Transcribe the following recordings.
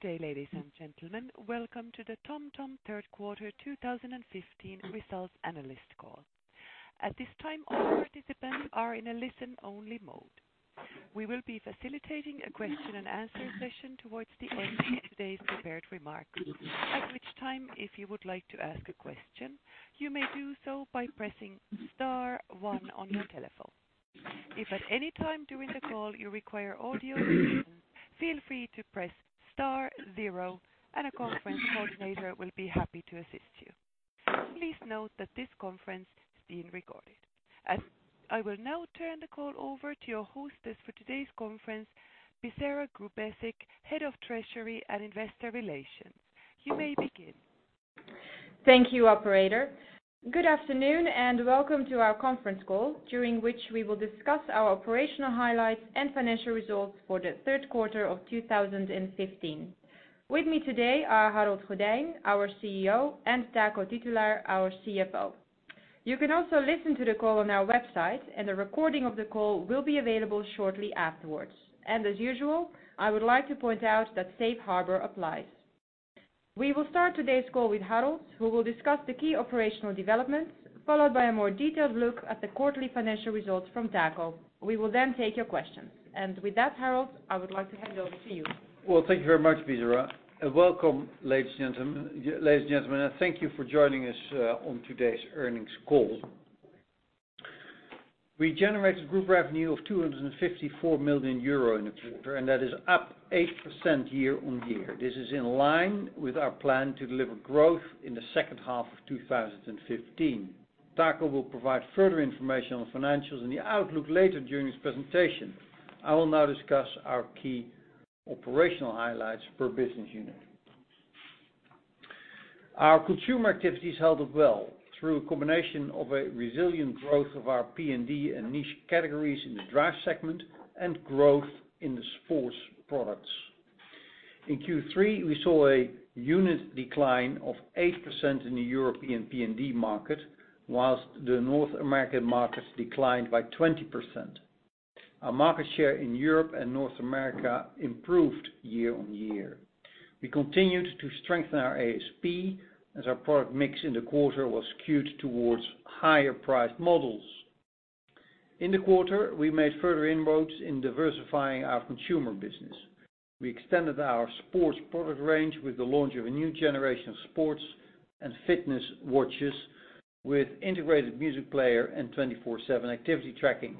Good day, ladies and gentlemen. Welcome to the TomTom Third Quarter 2015 Results Analyst Call. At this time, all participants are in a listen only mode. We will be facilitating a question and answer session towards the end of today's prepared remarks. At which time, if you would like to ask a question, you may do so by pressing star one on your telephone. If at any time during the call you require audio assistance, feel free to press star zero and a conference coordinator will be happy to assist you. Please note that this conference is being recorded. I will now turn the call over to your hostess for today's conference, Bisera Grubacic, Head of Treasury and Investor Relations. You may begin. Thank you, operator. Good afternoon and welcome to our conference call, during which we will discuss our operational highlights and financial results for the third quarter of 2015. With me today are Harold Goddijn, our CEO, and Taco Titulaer, our CFO. You can also listen to the call on our website, and a recording of the call will be available shortly afterwards. As usual, I would like to point out that safe harbor applies. We will start today's call with Harold, who will discuss the key operational developments, followed by a more detailed look at the quarterly financial results from Taco. We will then take your questions. With that, Harold, I would like to hand it over to you. Thank you very much, Bisera. Welcome, ladies and gentlemen. Thank you for joining us on today's earnings call. We generated group revenue of 254 million euro in the quarter, that is up 8% year-on-year. This is in line with our plan to deliver growth in the second half of 2015. Taco will provide further information on financials and the outlook later during his presentation. I will now discuss our key operational highlights per business unit. Our consumer activities held up well through a combination of a resilient growth of our PND and niche categories in the drive segment and growth in the sports products. In Q3, we saw a unit decline of 8% in the European PND market, whilst the North American markets declined by 20%. Our market share in Europe and North America improved year-on-year. We continued to strengthen our ASP as our product mix in the quarter was skewed towards higher priced models. In the quarter, we made further inroads in diversifying our consumer business. We extended our sports product range with the launch of a new generation of sports and fitness watches with integrated music player and 24/7 activity tracking.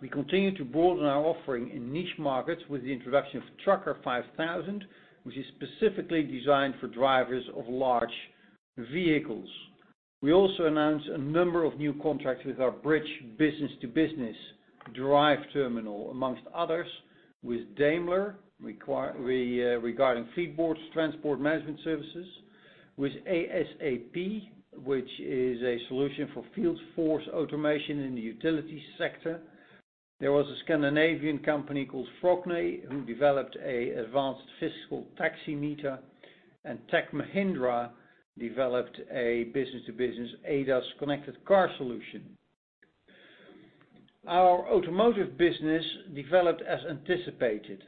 We continue to broaden our offering in niche markets with the introduction of TRUCKER 5000, which is specifically designed for drivers of large vehicles. We also announced a number of new contracts with our TomTom BRIDGE business-to-business drive terminal, amongst others, with Daimler, regarding Fleetboard transport management services, with ASAP, which is a solution for field force automation in the utilities sector. There was a Scandinavian company called Frogne, who developed an advanced fiscal taxi meter, Tech Mahindra developed a business-to-business ADAS connected car solution. Our automotive business developed as anticipated,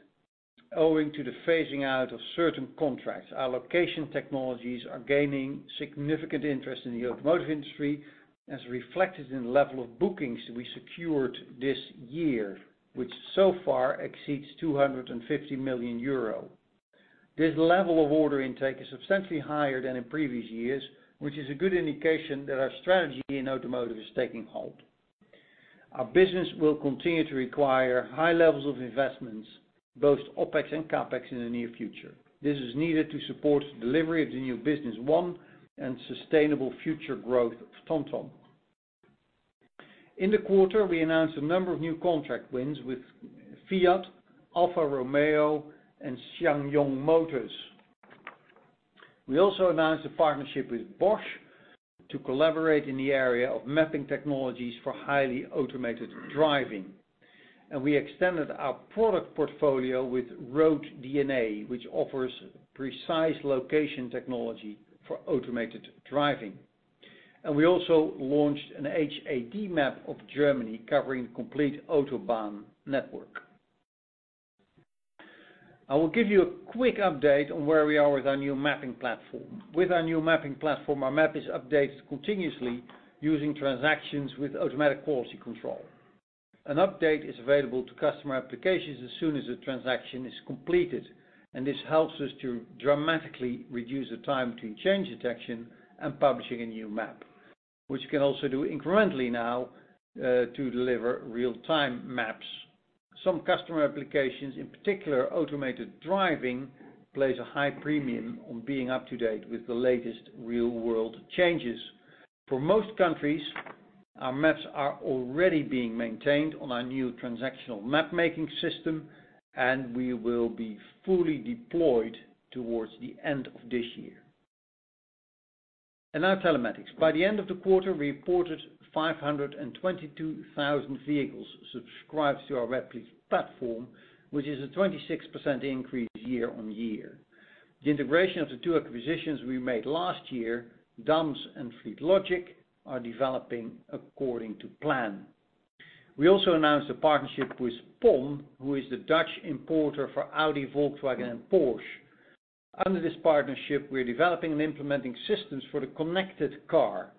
owing to the phasing out of certain contracts. Our location technologies are gaining significant interest in the automotive industry, as reflected in the level of bookings we secured this year, which so far exceeds 250 million euro. This level of order intake is substantially higher than in previous years, which is a good indication that our strategy in automotive is taking hold. Our business will continue to require high levels of investments, both OpEx and CapEx, in the near future. This is needed to support delivery of the new Business One and sustainable future growth of TomTom. In the quarter, we announced a number of new contract wins with Fiat, Alfa Romeo, and SsangYong Motors. We also announced a partnership with Bosch to collaborate in the area of mapping technologies for highly automated driving, we extended our product portfolio with RoadDNA, which offers precise location technology for automated driving. We also launched an HAD map of Germany covering the complete Autobahn network. I will give you a quick update on where we are with our new mapping platform. With our new mapping platform, our map is updated continuously using transactions with automatic quality control. An update is available to customer applications as soon as a transaction is completed, and this helps us to dramatically reduce the time to change detection and publishing a new map, which you can also do incrementally now, to deliver real time maps. Some customer applications, in particular automated driving, place a high premium on being up to date with the latest real world changes. For most countries, our maps are already being maintained on our new transactional map making system, we will be fully deployed towards the end of this year. Now telematics. By the end of the quarter, we reported 522,000 vehicles subscribed to our Webfleet platform, which is a 26% increase year-over-year. The integration of the two acquisitions we made last year, DAMS and Fleetlogic, are developing according to plan. We also announced a partnership with Pon, who is the Dutch importer for Audi, Volkswagen, and Porsche. Under this partnership, we are developing and implementing systems for the connected car.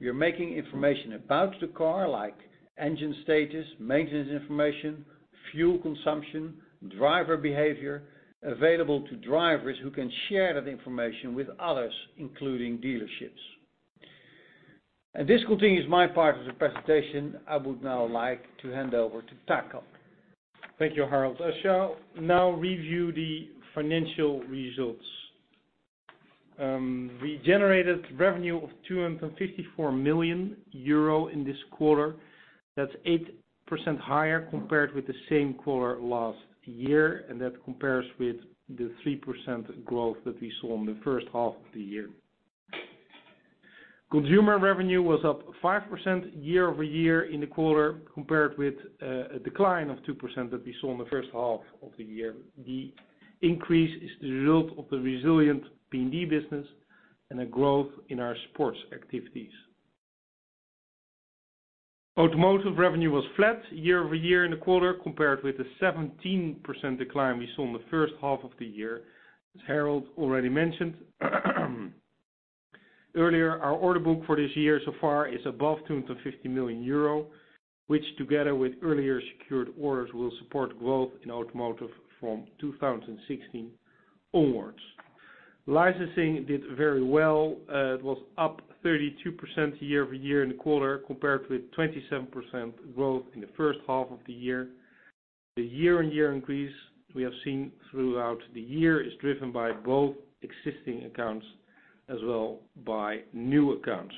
We are making information about the car, like engine status, maintenance information, fuel consumption, driver behavior, available to drivers who can share that information with others, including dealerships. This concludes my part of the presentation. I would now like to hand over to Taco. Thank you, Harold. I shall now review the financial results. We generated revenue of 254 million euro in this quarter. That's 8% higher compared with the same quarter last year, and that compares with the 3% growth that we saw in the first half of the year. Consumer revenue was up 5% year-over-year in the quarter, compared with a decline of 2% that we saw in the first half of the year. The increase is the result of the resilient PND business and a growth in our sports activities. Automotive revenue was flat year-over-year in the quarter, compared with the 17% decline we saw in the first half of the year. As Harold already mentioned earlier, our order book for this year so far is above 250 million euro, which together with earlier secured orders, will support growth in automotive from 2016 onwards. Licensing did very well. It was up 32% year-over-year in the quarter, compared with 27% growth in the first half of the year. The year-on-year increase we have seen throughout the year is driven by both existing accounts as well by new accounts.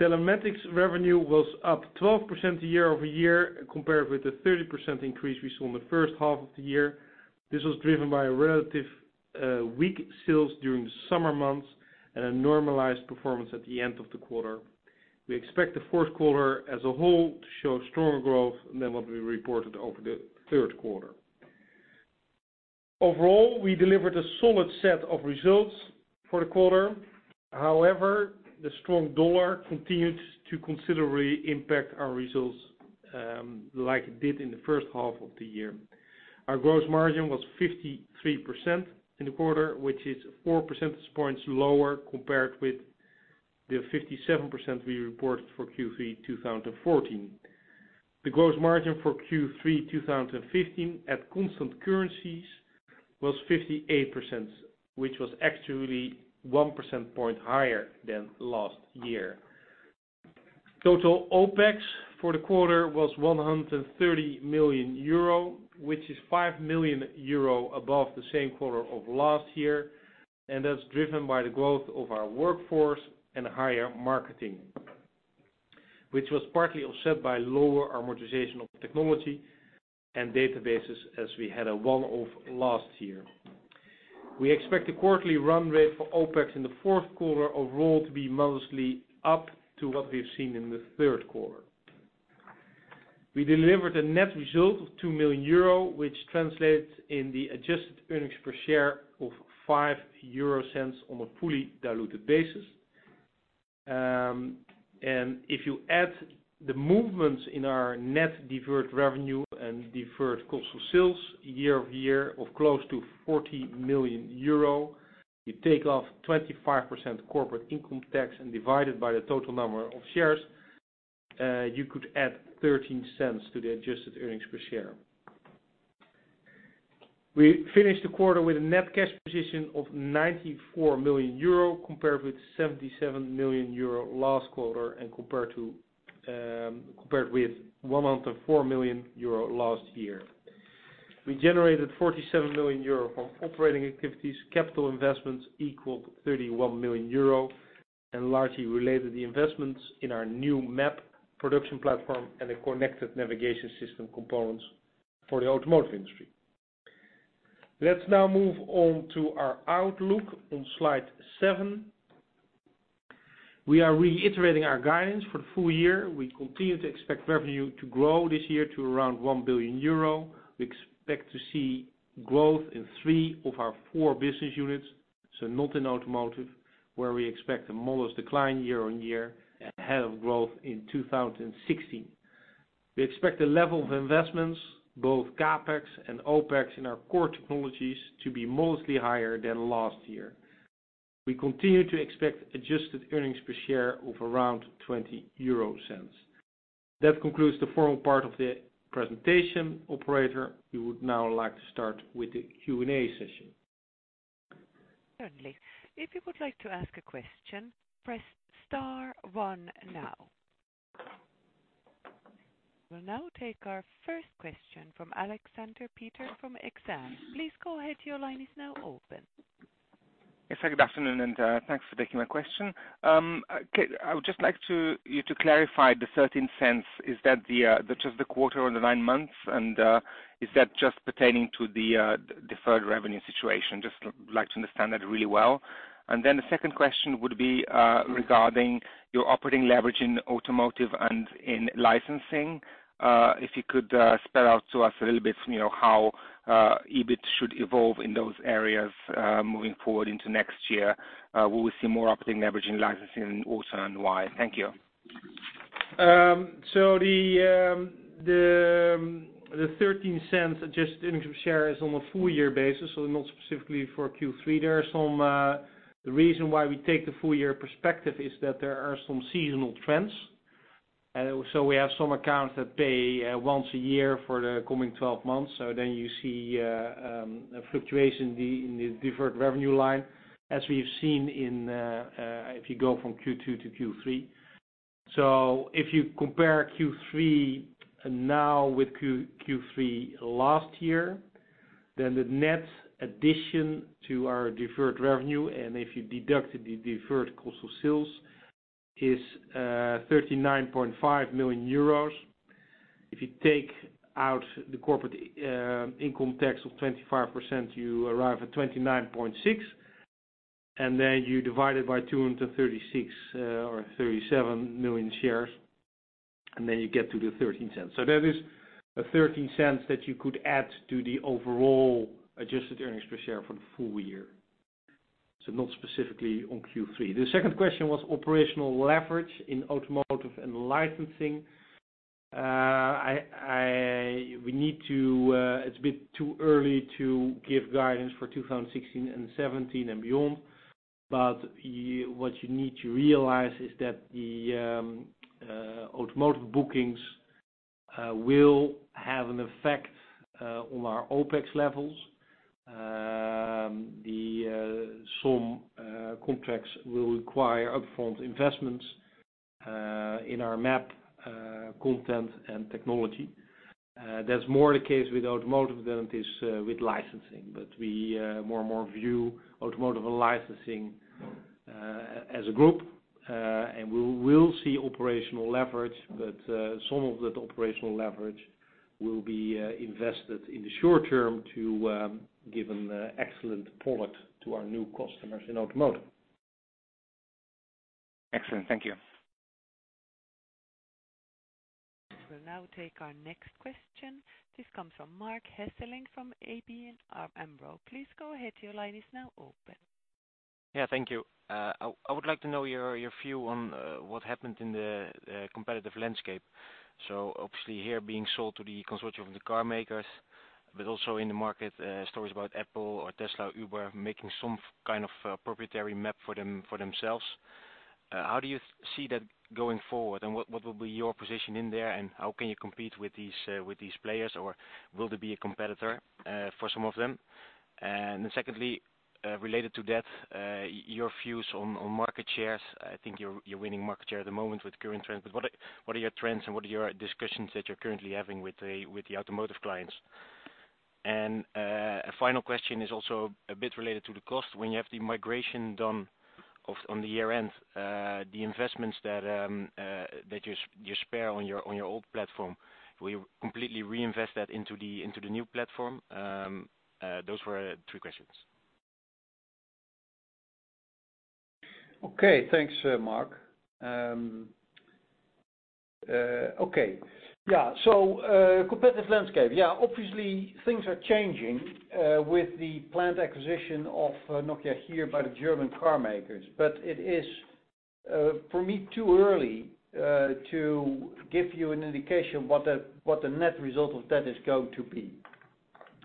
Telematics revenue was up 12% year-over-year compared with the 30% increase we saw in the first half of the year. This was driven by relative weak sales during the summer months and a normalized performance at the end of the quarter. We expect the fourth quarter as a whole to show stronger growth than what we reported over the third quarter. Overall, we delivered a solid set of results for the quarter. However, the strong U.S. dollar continued to considerably impact our results like it did in the first half of the year. Our gross margin was 53% in the quarter, which is four percentage points lower compared with the 57% we reported for Q3 2014. The gross margin for Q3 2015 at constant currencies was 58%, which was actually one percentage point higher than last year. Total OpEx for the quarter was 130 million euro, which is 5 million euro above the same quarter of last year, and that's driven by the growth of our workforce and higher marketing, which was partly offset by lower amortization of technology and databases as we had a one-off last year. We expect a quarterly run rate for OpEx in the fourth quarter overall to be mostly up to what we've seen in the third quarter. We delivered a net result of 2 million euro, which translates in the adjusted earnings per share of 0.05 on a fully diluted basis. If you add the movements in our net deferred revenue and deferred cost of sales year-over-year of close to 40 million euro, you take off 25% corporate income tax and divide it by the total number of shares, you could add 0.13 to the adjusted earnings per share. We finished the quarter with a net cash position of 94 million euro, compared with 77 million euro last quarter and compared with 104 million euro last year. We generated 47 million euro from operating activities. Capital investments equaled 31 million euro and largely related the investments in our new map production platform and the connected navigation system components for the automotive industry. Let's now move on to our outlook on slide seven. We are reiterating our guidance for the full year. We continue to expect revenue to grow this year to around 1 billion euro. We expect to see growth in three of our four business units, so not in automotive, where we expect a modest decline year-on-year ahead of growth in 2016. We expect the level of investments, both CapEx and OpEx, in our core technologies to be mostly higher than last year. We continue to expect adjusted earnings per share of around 0.20. That concludes the formal part of the presentation. Operator, we would now like to start with the Q&A session. Certainly. If you would like to ask a question, press star one now. We will now take our first question from Aleksander Peterc from Exane. Please go ahead. Your line is now open. Yes. Good afternoon, and thanks for taking my question. I would just like you to clarify the 0.13. Is that just the quarter or the nine months? Is that just pertaining to the deferred revenue situation? Just would like to understand that really well. The second question would be regarding your operating leverage in automotive and in licensing. If you could spell out to us a little bit how EBIT should evolve in those areas moving forward into next year. Will we see more operating leverage in licensing also, and why? Thank you. The 0.13 adjusted income share is on a full year basis, not specifically for Q3. The reason why we take the full year perspective is that there are some seasonal trends. We have some accounts that pay once a year for the coming 12 months. You see a fluctuation in the deferred revenue line, as we have seen if you go from Q2 to Q3. If you compare Q3 now with Q3 last year, then the net addition to our deferred revenue, and if you deduct the deferred cost of sales, is 39.5 million euros. If you take out the corporate income tax of 25%, you arrive at 29.6, and then you divide it by 236 or 237 million shares, and then you get to the 0.13. That is the 0.13 that you could add to the overall adjusted earnings per share for the full year. Not specifically on Q3. The second question was operational leverage in automotive and licensing. It's a bit too early to give guidance for 2016 and 2017 and beyond, but what you need to realize is that the automotive bookings will have an effect on our OpEx levels. Some contracts will require upfront investments in our map content and technology. That's more the case with automotive than it is with licensing. We more and more view automotive and licensing as a group. We will see operational leverage, but some of that operational leverage will be invested in the short term to give an excellent product to our new customers in automotive. Excellent. Thank you. We'll now take our next question. This comes from Marc Hesselink from ABN AMRO. Please go ahead, your line is now open. Yeah, thank you. I would like to know your view on what happened in the competitive landscape. Obviously HERE being sold to the consortium of the car makers, but also in the market stories about Apple or Tesla, Uber, making some kind of proprietary map for themselves. How do you see that going forward, and what will be your position in there, and how can you compete with these players, or will they be a competitor for some of them? Secondly, related to that, your views on market shares. I think you're winning market share at the moment with the current trends, but what are your trends and what are your discussions that you're currently having with the automotive clients? A final question is also a bit related to the cost. When you have the migration done on the year-end, the investments that you spare on your old platform, will you completely reinvest that into the new platform? Those were three questions. Okay. Thanks, Marc. Okay. Yeah, competitive landscape. Obviously things are changing with the planned acquisition of Nokia HERE by the German car makers. It is, for me, too early to give you an indication what the net result of that is going to be.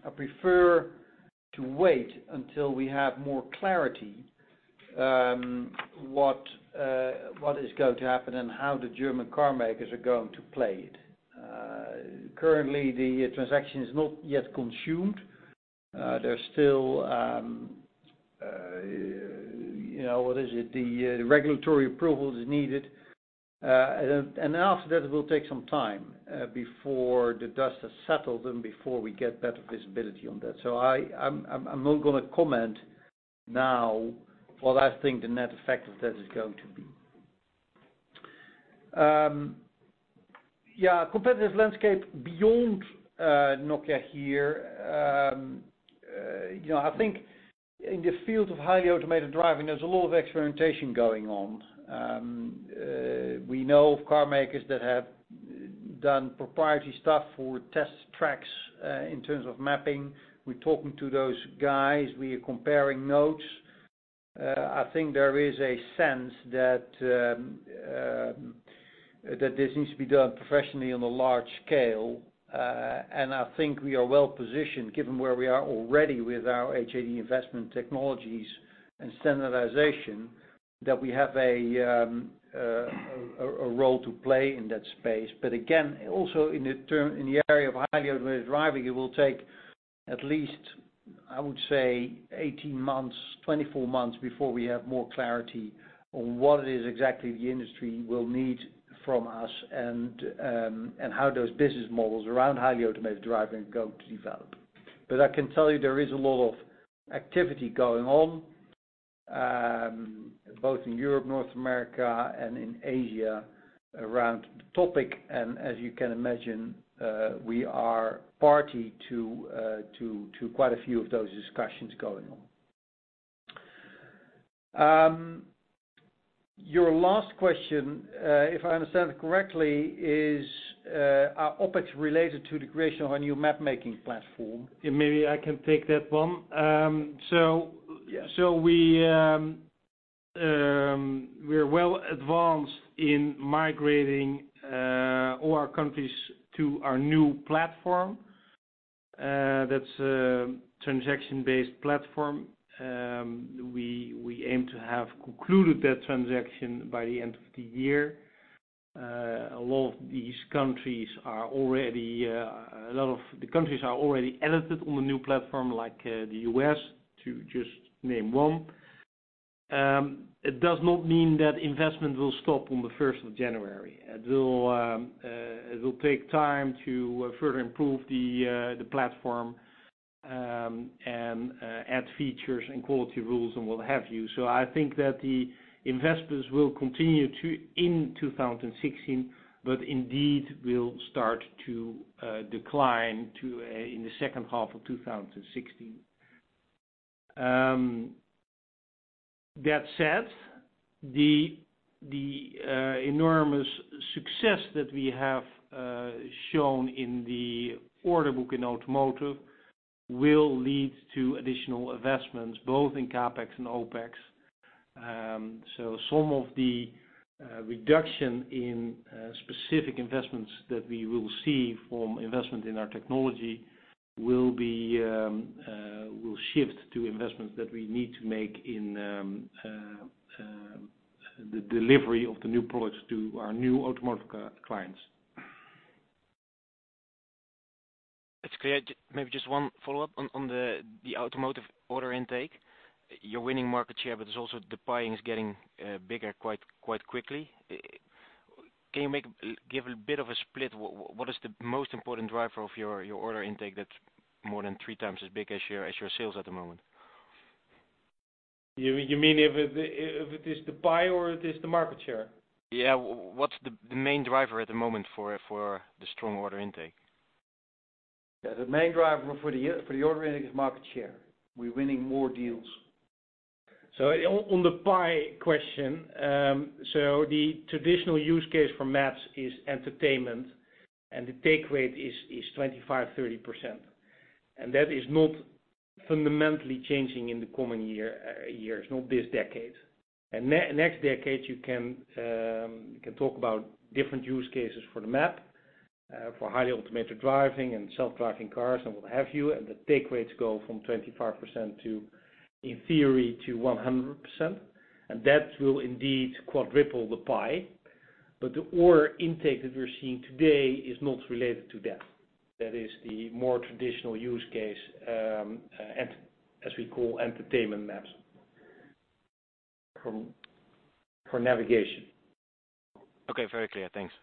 I prefer to wait until we have more clarity what is going to happen and how the German car makers are going to play it. Currently, the transaction is not yet consumed. The regulatory approval is needed. After that, it will take some time before the dust has settled and before we get better visibility on that. I'm not going to comment now what I think the net effect of that is going to be. Competitive landscape beyond Nokia HERE. I think in the field of highly automated driving, there's a lot of experimentation going on. We know of car makers that have done proprietary stuff for test tracks in terms of mapping. We're talking to those guys, we are comparing notes. I think there is a sense that this needs to be done professionally on a large scale. I think we are well-positioned, given where we are already with our HAD investment technologies and standardization, that we have a role to play in that space. Again, also in the area of highly automated driving, it will take at least, I would say, 18 months, 24 months before we have more clarity on what it is exactly the industry will need from us and how those business models around highly automated driving are going to develop. I can tell you there is a lot of activity going on, both in Europe, North America, and in Asia around the topic. As you can imagine, we are party to quite a few of those discussions going on. Your last question, if I understand it correctly, is Are OpEx related to the creation of a new mapmaking platform? Maybe I can take that one. Yeah. We're well advanced in migrating all our countries to our new platform. That's a transaction-based platform. We aim to have concluded that transaction by the end of the year. A lot of the countries are already edited on the new platform, like the U.S., to just name one. It does not mean that investment will stop on the 1st of January. It will take time to further improve the platform, and add features and quality rules and what have you. I think that the investments will continue in 2016, but indeed will start to decline in the second half of 2016. That said, the enormous success that we have shown in the order book in automotive will lead to additional investments both in CapEx and OpEx. Some of the reduction in specific investments that we will see from investment in our technology will shift to investments that we need to make in the delivery of the new products to our new automotive clients. That's clear. Maybe just one follow-up on the automotive order intake. You're winning market share, but also the pie is getting bigger quite quickly. Can you give a bit of a split? What is the most important driver of your order intake that's more than three times as big as your sales at the moment? You mean if it is the pie or it is the market share? Yeah. What's the main driver at the moment for the strong order intake? The main driver for the order intake is market share. We're winning more deals. On the pie question, the traditional use case for maps is entertainment, and the take rate is 25%, 30%. That is not fundamentally changing in the coming years, not this decade. Next decade, you can talk about different use cases for the map, for highly automated driving and self-driving cars and what have you. The take rates go from 25% in theory, to 100%, and that will indeed quadruple the pie. The order intake that we're seeing today is not related to that. That is the more traditional use case, as we call entertainment maps for navigation. Okay, very clear. Thanks.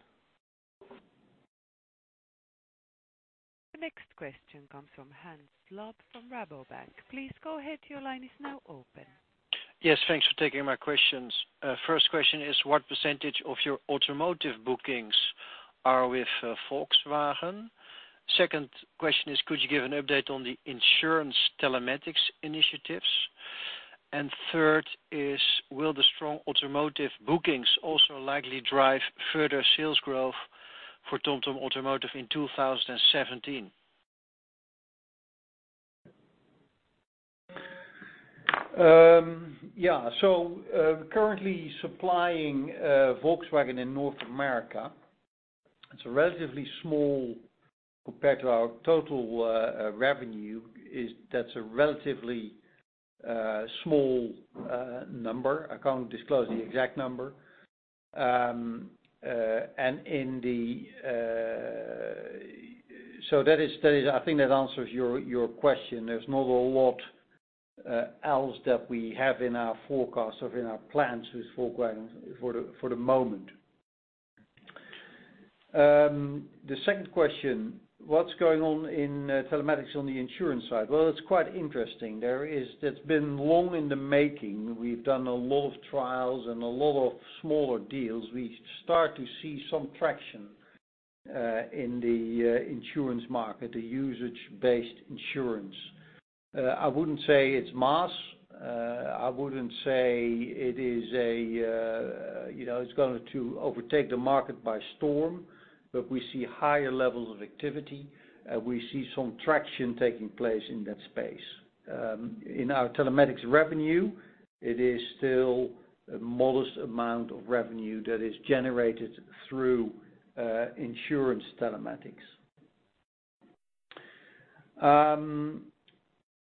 The next question comes from Hans Slob from Rabobank. Please go ahead. Your line is now open. Yes, thanks for taking my questions. First question is, what % of your automotive bookings are with Volkswagen? Second question is, could you give an update on the insurance telematics initiatives? Third is, will the strong automotive bookings also likely drive further sales growth for TomTom Automotive in 2017? Yeah. Currently supplying Volkswagen in North America, compared to our total revenue, that's a relatively small number. I can't disclose the exact number. I think that answers your question. There's not a lot else that we have in our forecast or in our plans with Volkswagen for the moment. The second question, what's going on in telematics on the insurance side? Well, it's quite interesting. That's been long in the making. We've done a lot of trials and a lot of smaller deals. We start to see some traction in the insurance market, the usage-based insurance. I wouldn't say it's mass. I wouldn't say it's going to overtake the market by storm. We see higher levels of activity. We see some traction taking place in that space. In our telematics revenue, it is still a modest amount of revenue that is generated through insurance telematics.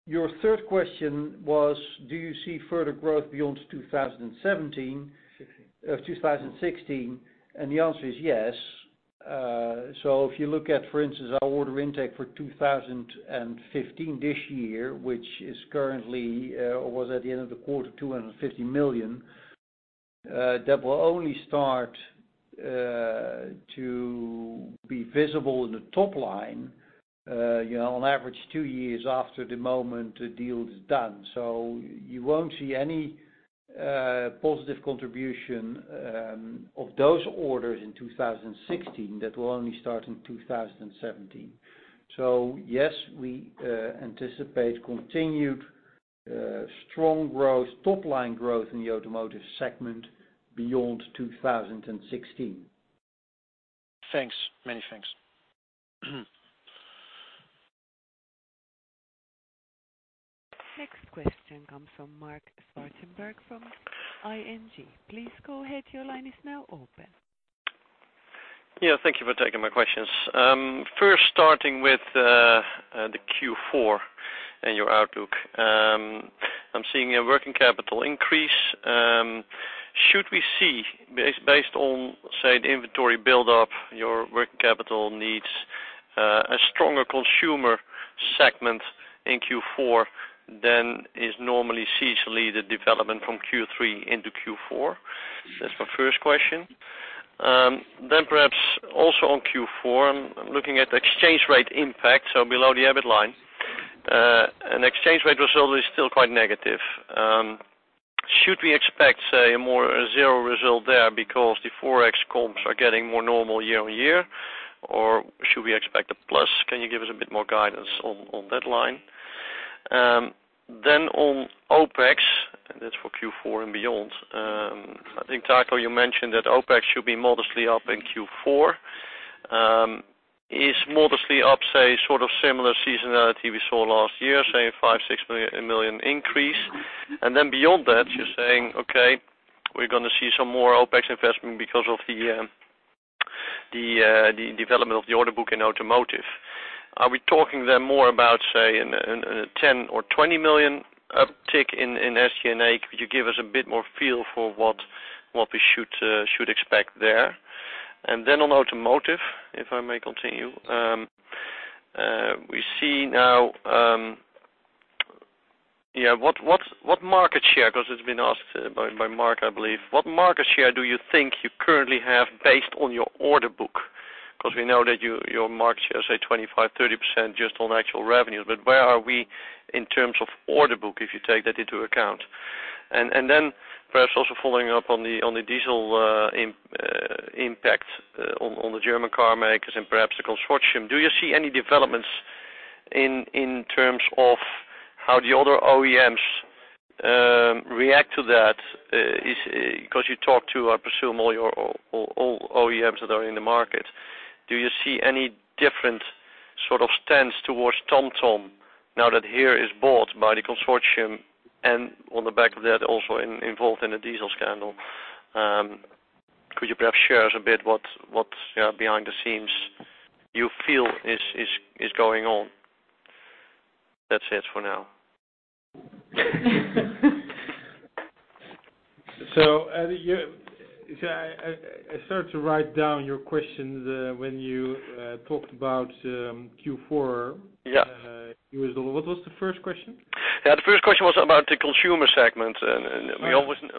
Your third question was, do you see further growth beyond 2017? 16. 2016. The answer is yes. If you look at, for instance, our order intake for 2015 this year, which is currently, or was at the end of the quarter, 250 million, that will only start to be visible in the top line, on average two years after the moment the deal is done. You won't see any positive contribution of those orders in 2016. That will only start in 2017. Yes, we anticipate continued strong growth, top-line growth in the automotive segment beyond 2016. Thanks. Many thanks. Next question comes from Marc Zwartsenburg from ING. Please go ahead. Your line is now open. Yeah. Thank you for taking my questions. First, starting with the Q4 and your outlook. I'm seeing a working capital increase. Should we see, based on, say, the inventory buildup, your working capital needs a stronger consumer segment in Q4 than is normally seasonally the development from Q3 into Q4? That's my first question. Perhaps also on Q4, I'm looking at exchange rate impact, so below the EBIT line. An exchange rate result is still quite negative. Should we expect, say, more zero result there because the ForEx comps are getting more normal year-over-year? Should we expect a plus? Can you give us a bit more guidance on that line? On OpEx, and that's for Q4 and beyond. I think, Taco, you mentioned that OpEx should be modestly up in Q4. Is modestly up, say, sort of similar seasonality we saw last year, say, 5 million-6 million increase? Beyond that, you're saying, okay, we're going to see some more OpEx investment because of the development of the order book in automotive. Are we talking more about, say, a 10 million or 20 million uptick in SG&A? Could you give us a bit more feel for what we should expect there? On automotive, if I may continue. What market share, because it's been asked by Marc, I believe. What market share do you think you currently have based on your order book? Because we know that your market share is, say, 25%-30% just on actual revenues. Where are we in terms of order book, if you take that into account? Perhaps also following up on the diesel impact on the German car makers and perhaps the consortium. Do you see any developments in terms of how the other OEMs react to that? Because you talk to, I presume, all OEMs that are in the market. Do you see any different sort of stance towards TomTom now that HERE is bought by the consortium and on the back of that, also involved in a diesel scandal? Could you perhaps share a bit what behind the scenes you feel is going on? That's it for now. I started to write down your questions when you talked about Q4. Yeah. What was the first question? Yeah, the first question was about the consumer segment.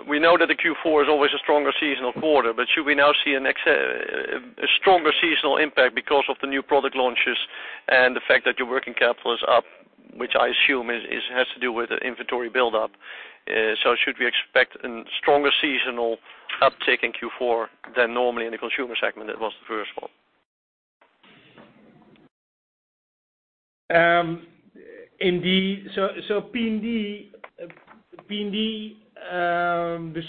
We know that Q4 is always a stronger seasonal quarter, but should we now see a stronger seasonal impact because of the new product launches and the fact that your working capital is up, which I assume has to do with the inventory buildup. Should we expect a stronger seasonal uptick in Q4 than normally in the consumer segment? That was the first one. Indeed. The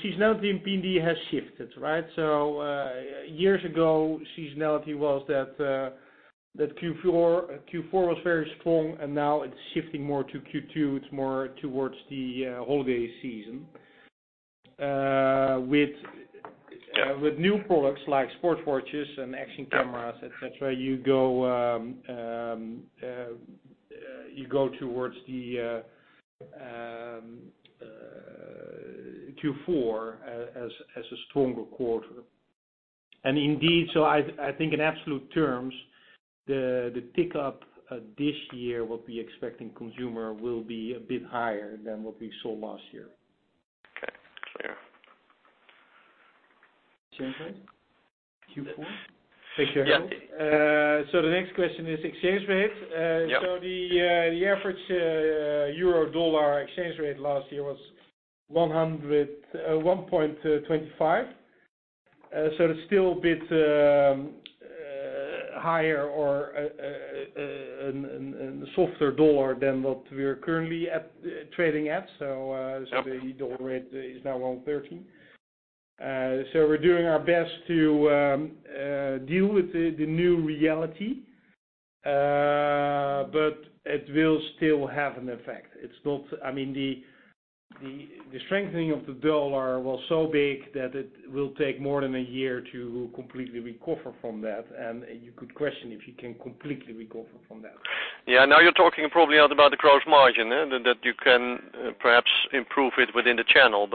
seasonality in PND has shifted, right? Years ago, seasonality was that Q4 was very strong, and now it's shifting more to Q2. It's more towards the holiday season. With new products like sports watches and action cameras, et cetera, you go towards the Q4 as a stronger quarter. Indeed, I think in absolute terms, the pickup this year what we expect in consumer will be a bit higher than what we saw last year. Okay, clear. Exchange rate, Q4. Yeah. The next question is exchange rate. Yeah. The average Euro-dollar exchange rate last year was 1.25. It's still a bit higher or a softer dollar than what we are currently trading at. The dollar rate is now 1.13. We're doing our best to deal with the new reality, but it will still have an effect. The strengthening of the dollar was so big that it will take more than a year to completely recover from that. You could question if you can completely recover from that. Yeah. Now you're talking probably about the gross margin, that you can perhaps improve it within the channel.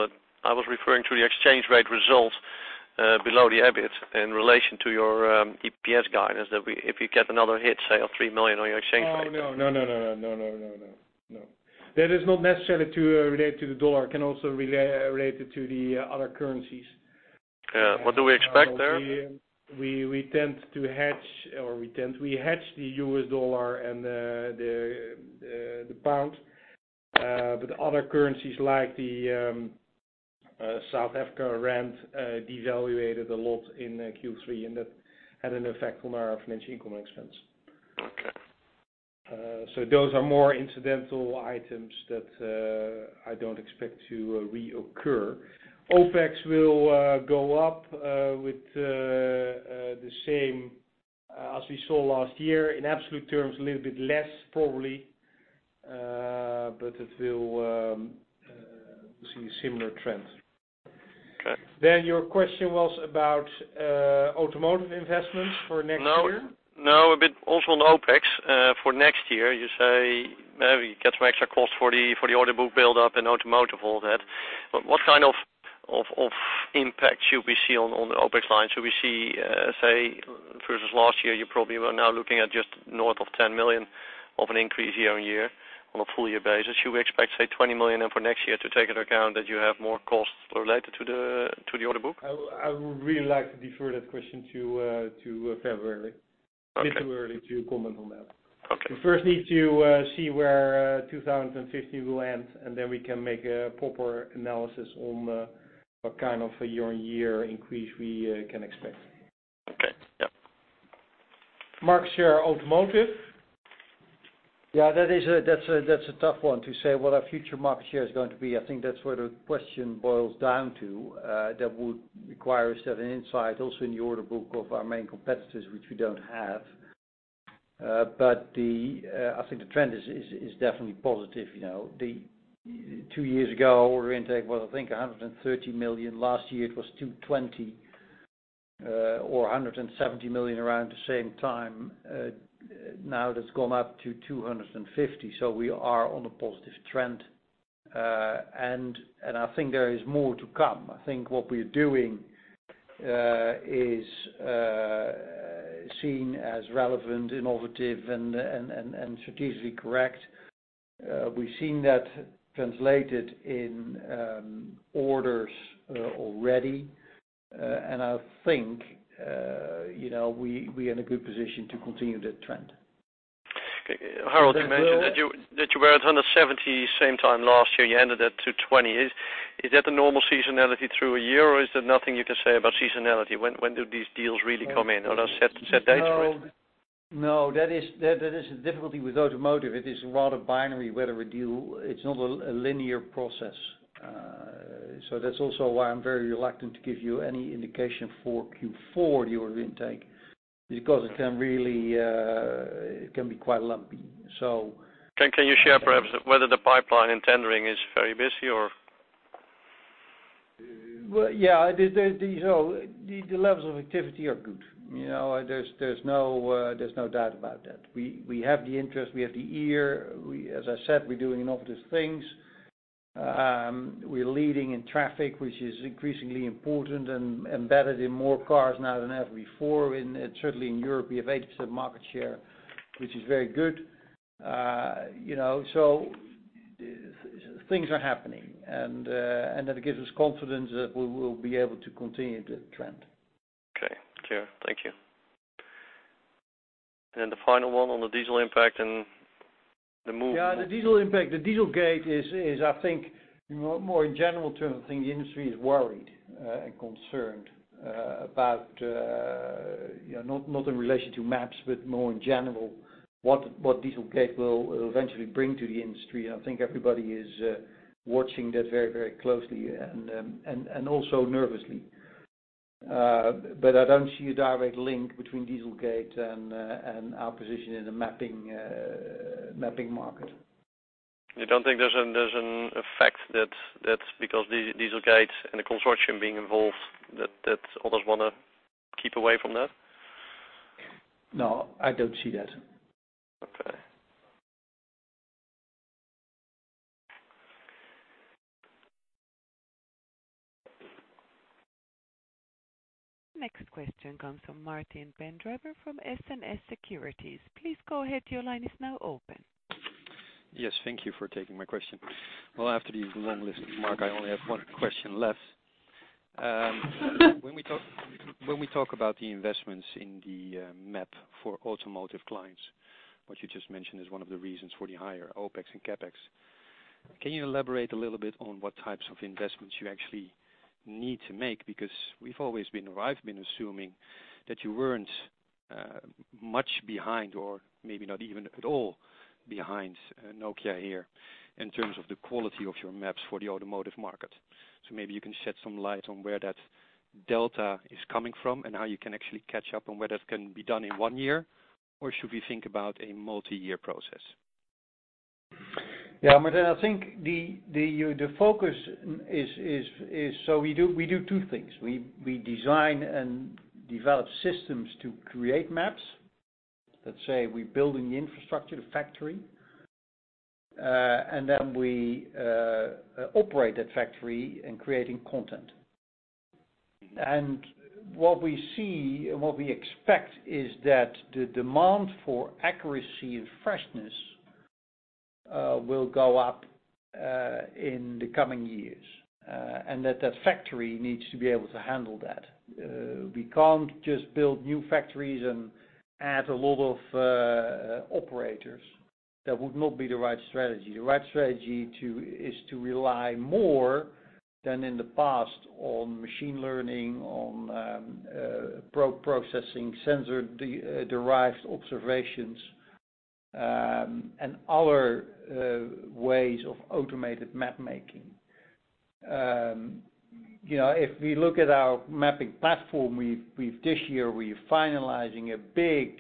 I was referring to the exchange rate results below the EBIT in relation to your EPS guidance, that if you get another hit, say, of 3 million on your exchange rate. Oh, no. That is not necessarily related to the U.S. dollar. It can also related to the other currencies. What do we expect there? We hedge the U.S. dollar and the pound. Other currencies like the South Africa rand devaluated a lot in Q3, and that had an effect on our financial income expense. Those are more incidental items that I don't expect to reoccur. OpEx will go up with the same as we saw last year. In absolute terms, a little bit less probably, but we'll see similar trends. Okay. Your question was about automotive investments for next year? A bit also on OpEx. For next year, you say maybe you get some extra cost for the order book build-up in automotive, all that. What kind of impact should we see on the OpEx line? Should we see, say, versus last year, you probably were now looking at just north of 10 million of an increase year-over-year on a full year basis. Should we expect, say, 20 million in for next year to take into account that you have more costs related to the order book? I would really like to defer that question to February. It's too early to comment on that. Okay. We first need to see where 2015 will end, then we can make a proper analysis on what kind of a year-over-year increase we can expect. Okay. Yep. Market share automotive. Yeah, that's a tough one to say what our future market share is going to be. I think that's where the question boils down to. That would require a certain insight also in the order book of our main competitors, which we don't have. I think the trend is definitely positive. Two years ago, our intake was, I think, 130 million. Last year, it was 220 million or 170 million around the same time. Now that's gone up to 250 million. We are on a positive trend. I think there is more to come. I think what we're doing is seen as relevant, innovative, and strategically correct. We've seen that translated in orders already. I think, we're in a good position to continue that trend. Okay. Harold, you mentioned that you were at 170 million same time last year, you ended at 220 million. Is that the normal seasonality through a year, or is there nothing you can say about seasonality? When do these deals really come in? Are there set dates for it? That is the difficulty with automotive. It is rather binary. It's not a linear process. That's also why I'm very reluctant to give you any indication for Q4 the order intake, because it can be quite lumpy. Can you share perhaps whether the pipeline in tendering is very busy. Well, yeah, the levels of activity are good. There's no doubt about that. We have the interest, we have the ear. As I said, we're doing innovative things. We're leading in traffic, which is increasingly important and embedded in more cars now than ever before. Certainly in Europe, we have 80% market share, which is very good. Things are happening, and that gives us confidence that we will be able to continue the trend. Okay, clear. Thank you. The final one on the diesel impact. The diesel impact, the Dieselgate is, I think more in general terms, I think the industry is worried and concerned about, not in relation to maps, but more in general, what Dieselgate will eventually bring to the industry. I think everybody is watching that very closely and also nervously. I don't see a direct link between Dieselgate and our position in the mapping market. You don't think there's an effect that because Dieselgate and the consortium being involved, that others want to keep away from that? I don't see that. Okay. Next question comes from Martijn den Drijver from SNS Securities. Please go ahead. Your line is now open. Yes, thank you for taking my question. Well, after the long list of Marc, I only have one question left. When we talk about the investments in the map for automotive clients, what you just mentioned is one of the reasons for the higher OpEx and CapEx. Can you elaborate a little bit on what types of investments you actually need to make? Because we've always been, or I've been assuming that you weren't much behind or maybe not even at all behind Nokia HERE in terms of the quality of your maps for the automotive market. Maybe you can shed some light on where that delta is coming from and how you can actually catch up, and whether it can be done in one year, or should we think about a multi-year process? Yeah, Martijn, I think the focus is we do two things. We design and develop systems to create maps. Let's say we're building the infrastructure, the factory, and then we operate that factory in creating content. What we see and what we expect is that the demand for accuracy and freshness will go up in the coming years, and that that factory needs to be able to handle that. We can't just build new factories and add a lot of operators. That would not be the right strategy. The right strategy is to rely more than in the past on machine learning, on processing sensor-derived observations, and other ways of automated mapmaking. If we look at our mapping platform, this year, we're finalizing a big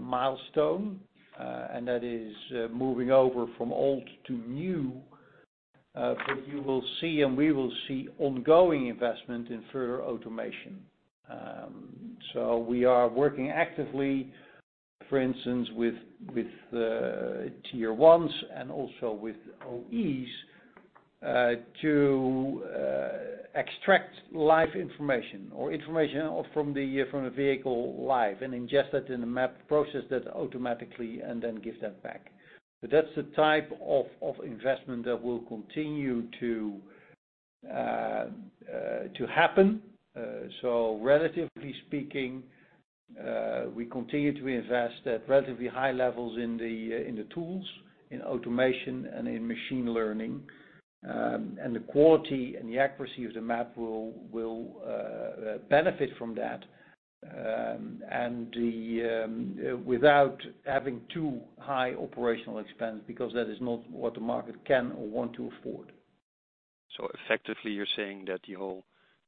milestone, and that is moving over from old to new. You will see, and we will see ongoing investment in further automation. We are working actively, for instance, with tier ones and also with OEs to extract live information or information from the vehicle live and ingest that in the map process automatically and then give that back. That's the type of investment that will continue to happen. Relatively speaking, we continue to invest at relatively high levels in the tools, in automation, and in machine learning. The quality and the accuracy of the map will benefit from that, and without having too high operational expense, because that is not what the market can or want to afford. Effectively, you're saying that the whole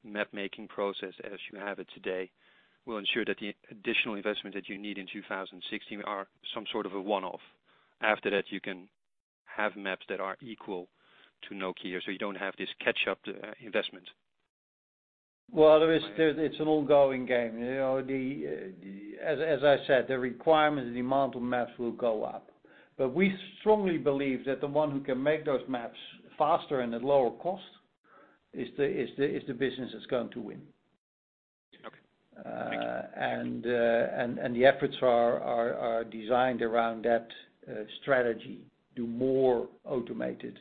mapmaking process, as you have it today, will ensure that the additional investment that you need in 2016 are some sort of a one-off. After that, you can have maps that are equal to Nokia, you don't have this catch-up investment. Well, it's an ongoing game. As I said, the requirement and the amount of maps will go up. We strongly believe that the one who can make those maps faster and at lower cost is the business that's going to win. Okay. Thank you. The efforts are designed around that strategy. Do more automated,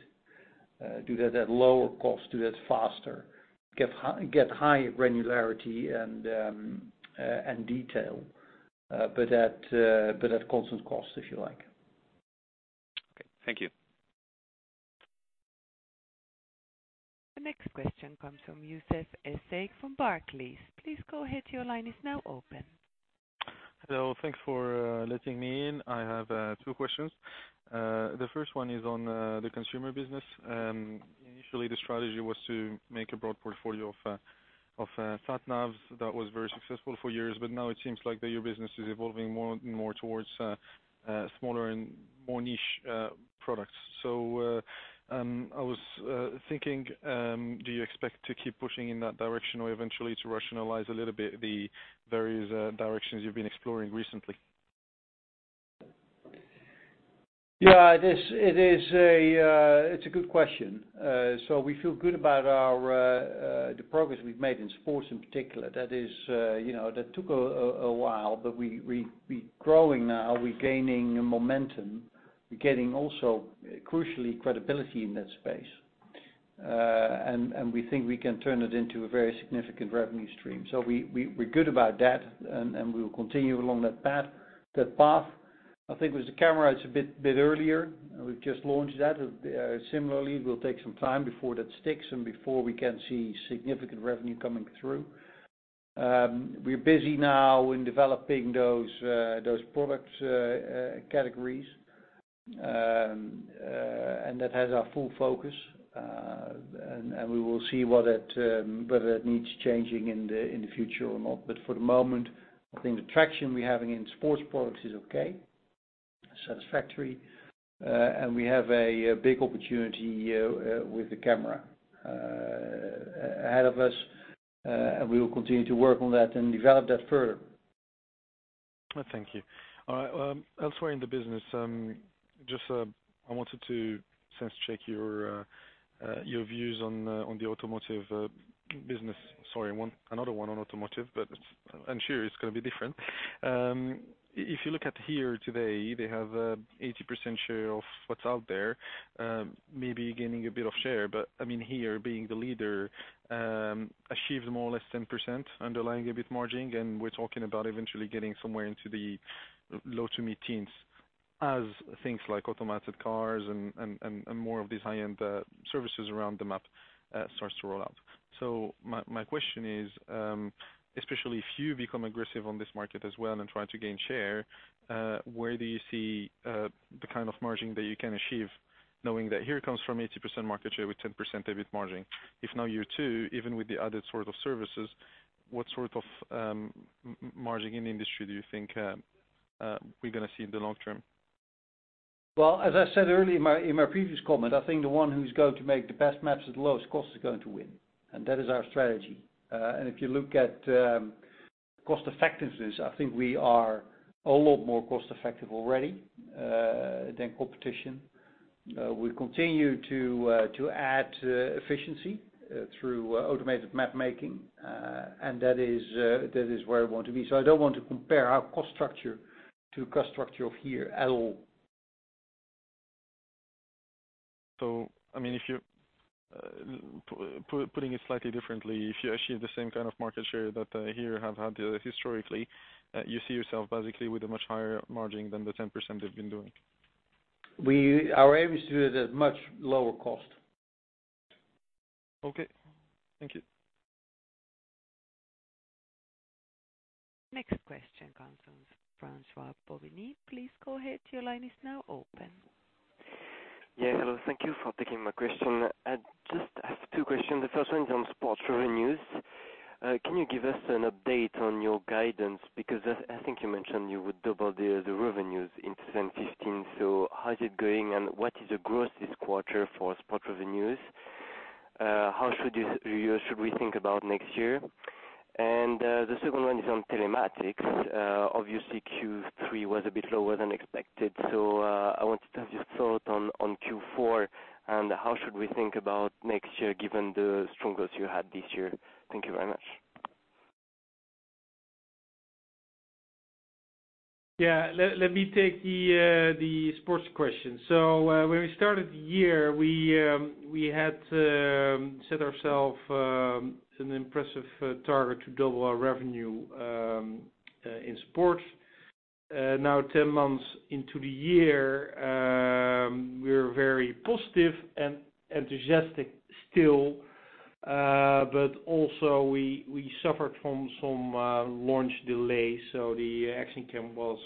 do that at lower cost, do that faster, get high granularity and detail, but at constant cost, if you like. Okay. Thank you. The next question comes from Youssef Essaegh from Barclays. Please go ahead. Your line is now open. Hello, thanks for letting me in. I have two questions. The first one is on the consumer business. Initially, the strategy was to make a broad portfolio of sat navs. That was very successful for years, but now it seems like your business is evolving more and more towards smaller and more niche products. I was thinking, do you expect to keep pushing in that direction or eventually to rationalize a little bit the various directions you've been exploring recently? Yeah. It's a good question. We feel good about the progress we've made in sports in particular. That took a while, but we're growing now. We're gaining momentum. We're getting also, crucially, credibility in that space. We think we can turn it into a very significant revenue stream. We're good about that, and we will continue along that path. I think with the camera, it's a bit earlier. We've just launched that. Similarly, it will take some time before that sticks and before we can see significant revenue coming through. We're busy now in developing those product categories, and that has our full focus. We will see whether that needs changing in the future or not. For the moment, I think the traction we're having in sports products is okay, satisfactory. We have a big opportunity with the camera ahead of us, and we will continue to work on that and develop that further. Thank you. All right. Elsewhere in the business, I wanted to sense check your views on the automotive business. Sorry, another one on automotive, but I'm sure it's going to be different. If you look at HERE today, they have 80% share of what's out there, maybe gaining a bit of share. HERE being the leader, achieves more or less 10% underlying EBIT margin, and we're talking about eventually getting somewhere into the low to mid-teens as things like automated cars and more of these high-end services around the map starts to roll out. My question is, especially if you become aggressive on this market as well and try to gain share, where do you see the kind of margin that you can achieve knowing that HERE comes from 80% market share with 10% EBIT margin? If now you too, even with the added sort of services, what sort of margin in the industry do you think we're going to see in the long term? Well, as I said earlier in my previous comment, I think the one who's going to make the best maps at the lowest cost is going to win, and that is our strategy. If you look at cost effectiveness, I think we are a lot more cost-effective already than competition. We continue to add efficiency through automated mapmaking, and that is where I want to be. I don't want to compare our cost structure to cost structure of HERE at all. Putting it slightly differently, if you achieve the same kind of market share that HERE have had historically, you see yourself basically with a much higher margin than the 10% they've been doing. We are able to do it at much lower cost. Okay. Thank you. Next question comes from François Bouvignies. Please go ahead. Your line is now open. Yeah, hello. Thank you for taking my question. I just have two questions. The first one is on sports revenues. Can you give us an update on your guidance because I think you mentioned you would double the revenues in 2015, how is it going and what is the growth this quarter for sports revenues? How should we think about next year? The second one is on telematics. Obviously, Q3 was a bit lower than expected, I wanted to have your thought on Q4 and how should we think about next year given the strong growth you had this year. Thank you very much. Let me take the sports question. When we started the year, we had set ourselves an impressive target to double our revenue in sports. 10 months into the year, we're very positive and enthusiastic still, but also we suffered from some launch delays. The action cam was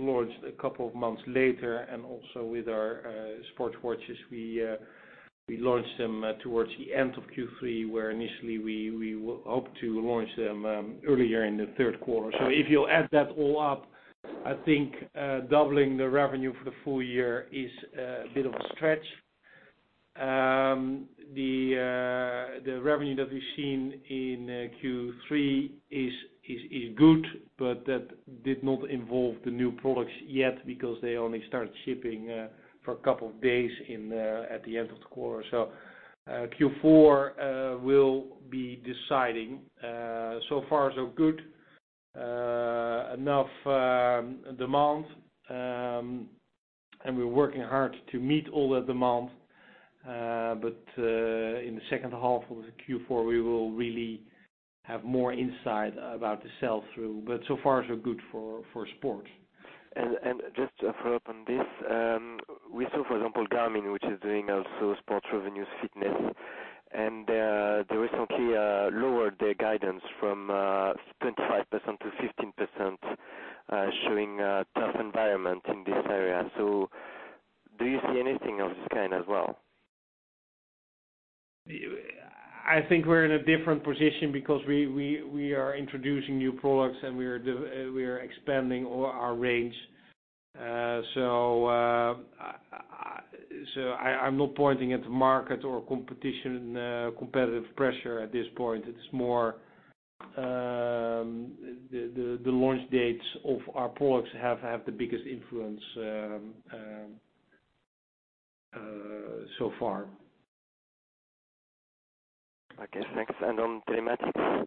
launched a couple of months later, and also with our sports watches, we launched them towards the end of Q3, where initially we hoped to launch them earlier in the third quarter. If you'll add that all up, I think doubling the revenue for the full year is a bit of a stretch. The revenue that we've seen in Q3 is good, but that did not involve the new products yet because they only started shipping for a couple of days at the end of the quarter. Q4 will be deciding. So far, so good. Enough demand, we're working hard to meet all that demand. In the second half of Q4, we will really have more insight about the sell-through. So far, so good for sports. Just to follow up on this. We saw, for example, Garmin, which is doing also sports revenue fitness, and they recently lowered their guidance from 25% to 15%, showing a tough environment in this area. Do you see anything of this kind as well? I think we're in a different position because we are introducing new products and we are expanding our range. I'm not pointing at the market or competition, competitive pressure at this point. It's more the launch dates of our products have the biggest influence so far. Okay, thanks. On telematics?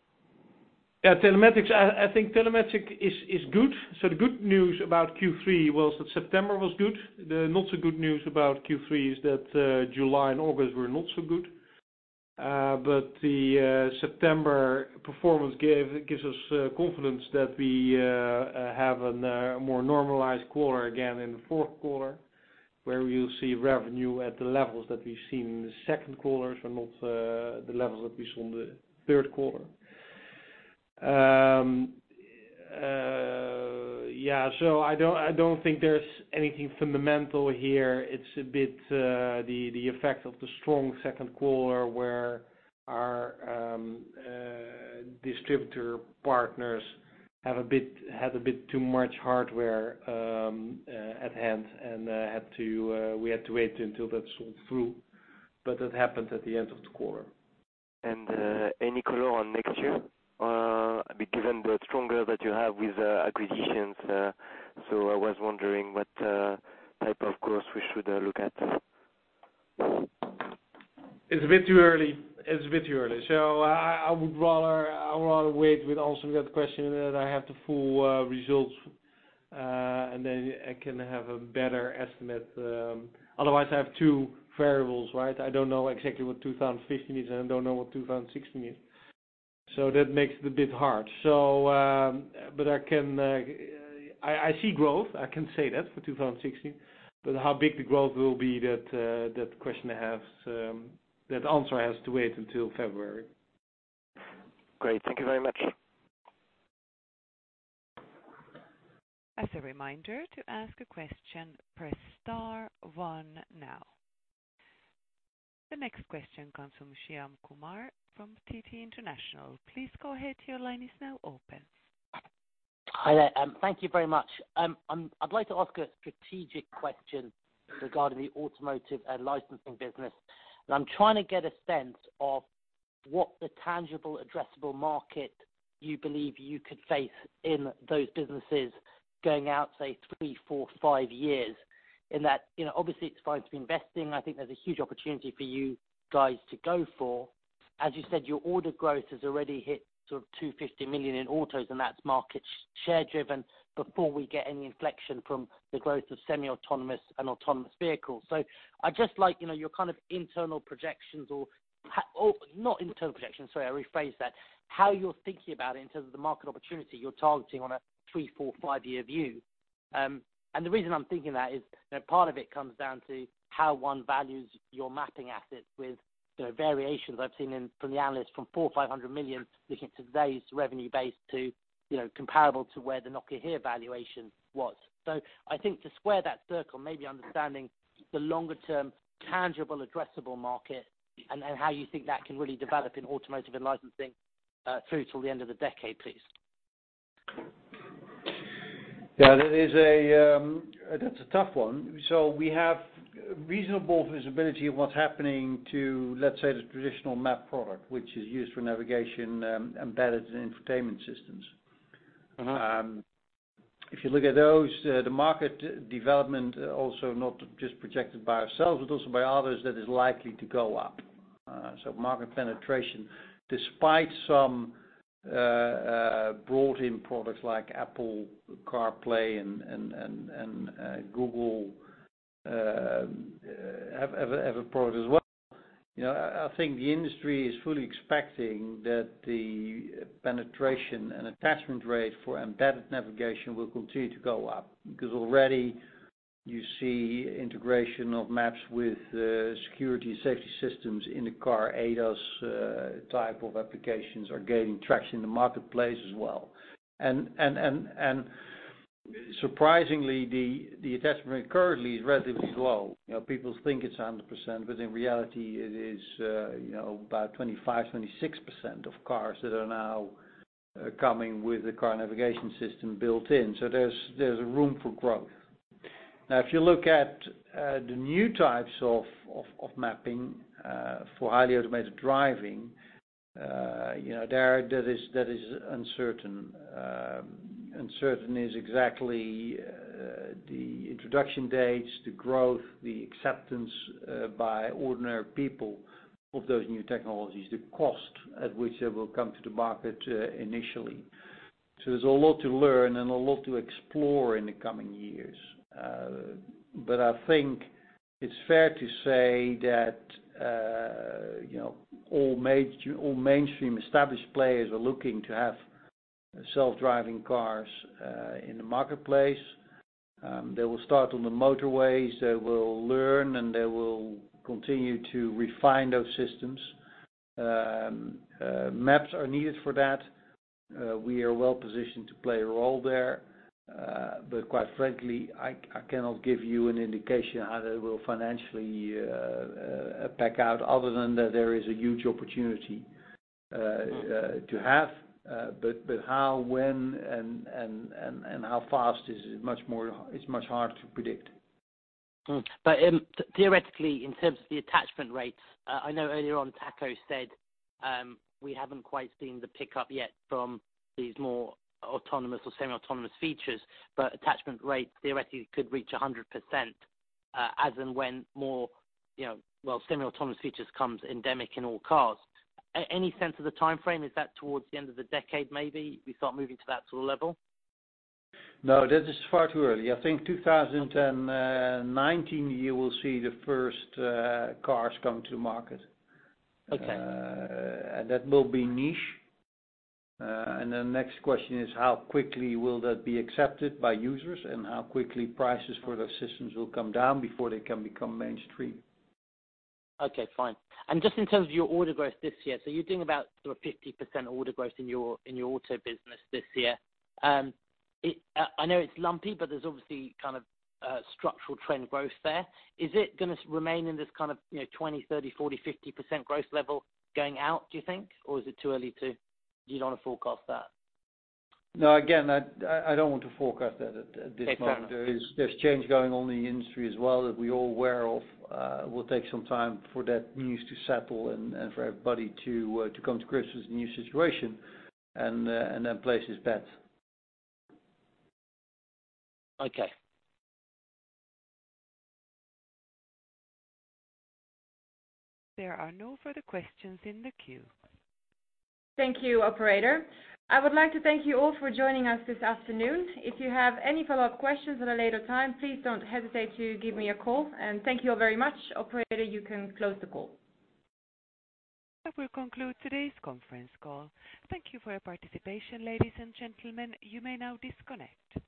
Telematics. I think telematics is good. The good news about Q3 was that September was good. The not so good news about Q3 is that July and August were not so good. The September performance gives us confidence that we have a more normalized quarter again in the fourth quarter, where we will see revenue at the levels that we've seen in the second quarter and not the levels that we saw in the third quarter. I don't think there's anything fundamental here. It's a bit the effect of the strong second quarter, where our distributor partners had a bit too much hardware at hand and we had to wait until that sold through. That happened at the end of the quarter. Any color on next year? Given the strong growth that you have with acquisitions. I was wondering what type of course we should look at. It's a bit too early. I would rather wait with answering that question, that I have the full results, and then I can have a better estimate. Otherwise, I have two variables, right? I don't know exactly what 2015 is, and I don't know what 2016 is. That makes it a bit hard. I see growth, I can say that for 2016, but how big the growth will be, that answer has to wait until February. Great. Thank you very much. As a reminder, to ask a question, press star one now. The next question comes from Shyam Kumar from TT International. Please go ahead, your line is now open. Hi there. Thank you very much. I'd like to ask a strategic question regarding the automotive and licensing business. I'm trying to get a sense of what the tangible addressable market you believe you could face in those businesses going out, say, three, four, five years, in that, obviously it's fine to be investing. I think there's a huge opportunity for you guys to go for. As you said, your order growth has already hit sort of 250 million in autos, and that's market share driven before we get any inflection from the growth of semi-autonomous and autonomous vehicles. I'd just like your kind of internal projections or Not internal projections, sorry, I rephrase that. How you're thinking about it in terms of the market opportunity you're targeting on a three, four, five-year view. The reason I'm thinking that is that part of it comes down to how one values your mapping assets with variations I've seen in from the analyst from 400 million or 500 million looking at today's revenue base to comparable to where the Nokia HERE valuation was. I think to square that circle, maybe understanding the longer term tangible addressable market and how you think that can really develop in automotive and licensing, through till the end of the decade, please. Yeah. That's a tough one. We have reasonable visibility of what's happening to, let's say, the traditional map product, which is used for navigation, embedded in infotainment systems. If you look at those, the market development also not just projected by ourselves, but also by others, that is likely to go up. Market penetration, despite some brought in products like Apple CarPlay and Google have a product as well. I think the industry is fully expecting that the penetration and attachment rate for embedded navigation will continue to go up. Already you see integration of maps with security and safety systems in the car, ADAS type of applications are gaining traction in the marketplace as well. Surprisingly, the attachment rate currently is relatively low. People think it's 100%, but in reality it is about 25%, 26% of cars that are now coming with the car navigation system built in. There's room for growth. If you look at the new types of mapping for highly automated driving, that is uncertain. Uncertain is exactly the introduction dates, the growth, the acceptance by ordinary people of those new technologies, the cost at which they will come to the market initially. There's a lot to learn and a lot to explore in the coming years. I think it's fair to say that all mainstream established players are looking to have self-driving cars in the marketplace. They will start on the motorways, they will learn, and they will continue to refine those systems. Maps are needed for that. We are well positioned to play a role there. Quite frankly, I cannot give you an indication how that will financially pack out other than that there is a huge opportunity to have. How, when and how fast is much harder to predict. Theoretically, in terms of the attachment rates, I know earlier on, Taco said, we haven't quite seen the pickup yet from these more autonomous or semi-autonomous features, but attachment rates theoretically could reach 100%, as and when more semi-autonomous features comes endemic in all cars. Any sense of the timeframe? Is that towards the end of the decade, maybe we start moving to that sort of level? No, that is far too early. I think 2019, you will see the first cars come to market. Okay. That will be niche. The next question is, how quickly will that be accepted by users? How quickly prices for those systems will come down before they can become mainstream? Okay, fine. Just in terms of your order growth this year, you're doing about sort of 50% order growth in your auto business this year. I know it's lumpy, but there's obviously structural trend growth there. Is it gonna remain in this kind of 20%, 30%, 40%, 50% growth level going out, do you think? Or is it too early to Do you not want to forecast that? No, again, I don't want to forecast that at this moment. Okay, fair enough. There's change going on in the industry as well that we're all aware of. It will take some time for that news to settle and for everybody to come to grips with the new situation and then place his bets. Okay. There are no further questions in the queue. Thank you, operator. I would like to thank you all for joining us this afternoon. If you have any follow-up questions at a later time, please don't hesitate to give me a call. Thank you all very much. Operator, you can close the call. That will conclude today's conference call. Thank you for your participation, ladies and gentlemen. You may now disconnect.